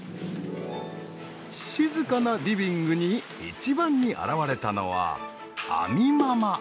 静かなリビングに１番に現われたのは亜美ママ。